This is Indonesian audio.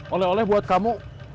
oleh oleh buat kamu